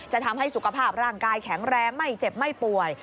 ทำให้สุขภาพร่างกายแข็งแรงไม่เจ็บไม่ป่วย